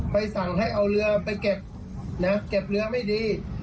สั่งให้เอาเรือไปเก็บนะเก็บเรือไม่ดี